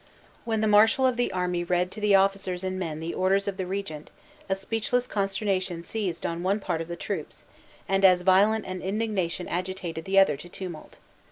When the marshal of the army read to the officers and men the orders of the regent, a speechless consternation seized on one part of the troops, and as violent an indignation agitated the other to tumult.